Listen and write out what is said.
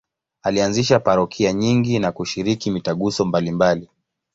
Alianzisha parokia nyingi na kushiriki mitaguso mbalimbali.